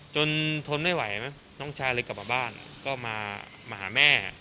ทนไม่ไหวไหมน้องชายเลยกลับมาบ้านก็มาหาแม่